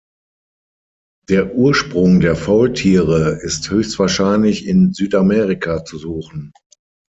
Der Ursprung der Faultiere ist höchstwahrscheinlich in Südamerika zu suchen.